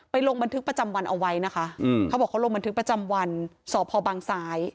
ลงบันทึกประจำวันเอาไว้นะคะเขาบอกเขาลงบันทึกประจำวันสพบังซ้าย